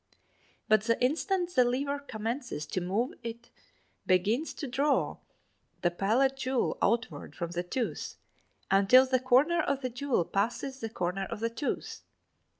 But the instant the lever commences to move it begins to draw this pallet jewel outward from the tooth until the corner of the jewel passes the corner of the tooth.